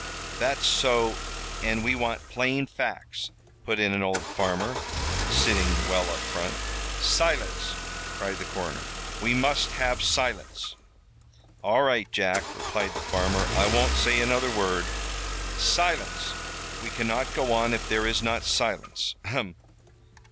"That's so an' we want plain facts," put in an old farmer, sitting well up front. "Silence!" cried the coroner. "We must have silence!" "All right, Jack," replied the farmer. "I won't say another word." "Silence. We cannot go on if there is not silence. Ahem!